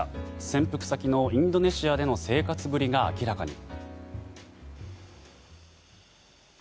潜伏先のインドネシアでの生活ぶりが明らかに。